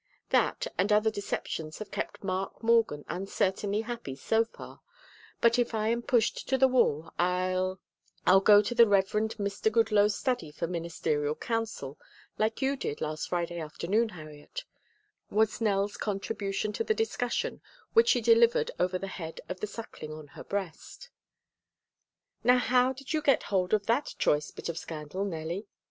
That and other deceptions have kept Mark Morgan uncertainly happy so far, but if I am pushed to the wall I'll I'll go to the Reverend Mr. Goodloe's study for ministerial counsel like you did last Friday afternoon, Harriet," was Nell's contribution to the discussion, which she delivered over the head of the Suckling on her breast. "Now how did you get hold of that choice bit of scandal, Nellie?"